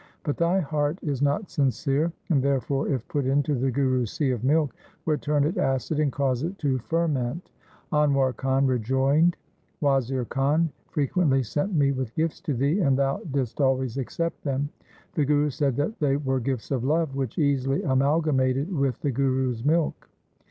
But thy heart is not sincere, and therefore, if put into the Guru's sea of milk, would turn it acid and cause it to fer ment.' Anwar Khan rejoined, ' Wazir Khan fre quently sent me with gifts to thee, and thou didst 1 Gauri ki War I. LIFE OF GURU HAR GOBIND 201 always accept them.' The Guru said that they were gifts of love which easily amalgamated with the Guru's milk.